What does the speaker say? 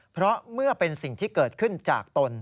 เพราะเมื่อเป็นสิ่งที่เกิดขึ้นจากตน